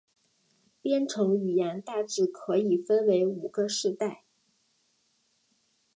编程语言大致可以分为五个世代。